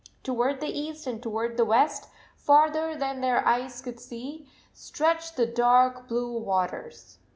Toward the east and toward the west, farther than their eyes could see, stretched the dark blue waters.